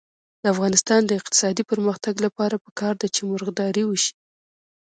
د افغانستان د اقتصادي پرمختګ لپاره پکار ده چې مرغداري وشي.